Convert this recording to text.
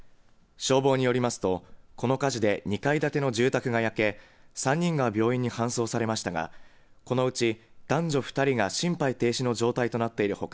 消防によりますと、この火事で２階建ての住宅が焼け３人が病院に搬送されましたがこのうち男女２人が心肺停止の状態となっているほか